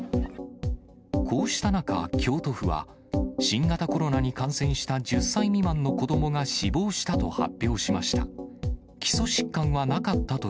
こうした中、京都府は、新型コロナに感染した１０歳未満の子どもが死亡したと発表しました。